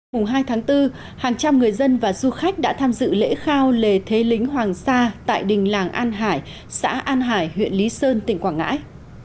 mùng hai tháng bốn hàng trăm người dân và du khách đã tham dự lễ khao lề thế lính hoàng sa tại đình làng an hải xã an hải huyện lý sơn tỉnh quảng ngãi